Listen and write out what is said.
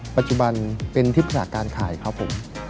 ปัจจุบันเป็นที่ปรึกษาการขายครับผม